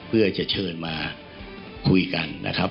เพื่อจะเชิญมาคุยกันนะครับ